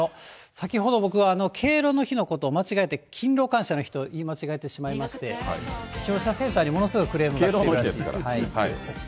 先ほど僕は敬老の日のことを間違えて勤労感謝の日と言い間違えてしまいまして、視聴者センターにものすごいクレームが来て敬老の日ですから。